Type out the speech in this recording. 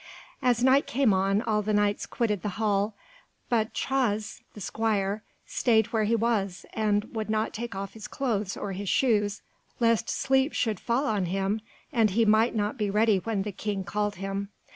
As night came on, all the Knights quitted the hall, but Chaus the squire stayed where he was, and would not take off his clothes or his shoes, lest sleep should fall on him and he might not be ready when the King called him.